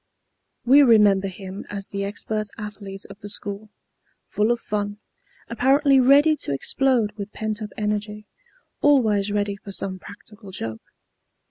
We remember him as the expert athlete of the school, full of fun, apparently ready to explode with pent up energy, always ready for some practical joke.